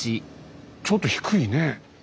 ちょっと低いねえ。